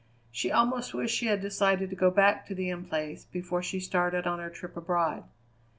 She almost wished she had decided to go back to the In Place before she started on her trip abroad.